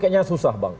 kayaknya susah bang